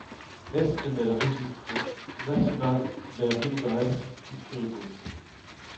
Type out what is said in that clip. Es en el Registro Nacional de Lugares Históricos.